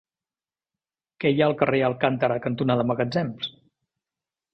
Què hi ha al carrer Alcántara cantonada Magatzems?